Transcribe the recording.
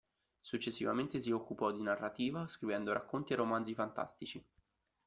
Successivamente si occupò di narrativa, scrivendo racconti e romanzi fantastici.